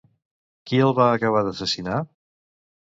Qui el va acabar d'assassinar?